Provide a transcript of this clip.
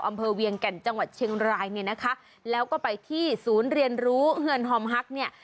เวียงแก่นจังหวัดเชียงรายเนี่ยนะคะแล้วก็ไปที่ศูนย์เรียนรู้เฮือนฮอมฮักเนี่ย